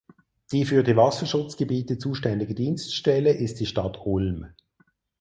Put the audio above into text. Die für die Wasserschutzgebiete zuständige Dienststelle ist die Stadt Ulm.